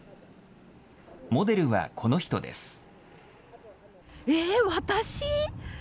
モデルはこの人です。